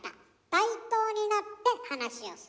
対等になって話をする。